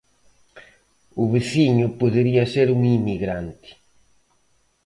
O veciño podería ser un inmigrante...